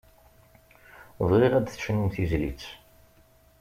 Bɣiɣ ad d-tecnum tizlit.